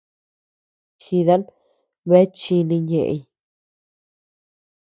Chidan bea chíni ñeʼëñ.